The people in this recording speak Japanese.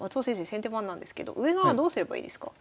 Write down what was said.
先手番なんですけど上側どうすればいいですか？